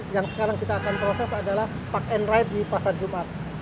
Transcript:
yang sekarang kita akan proses adalah park and ride di pasar jumat